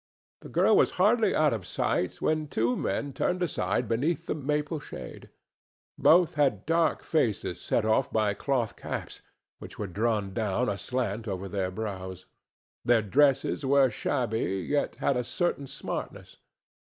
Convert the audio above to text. The girl was hardly out of sight when two men turned aside beneath the maple shade. Both had dark faces set off by cloth caps, which were drawn down aslant over their brows. Their dresses were shabby, yet had a certain smartness.